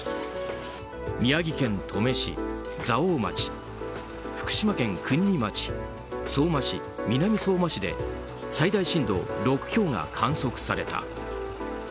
宮城県登米市、蔵王町福島県国見町相馬市、南相馬市で最大震度６強が観測された。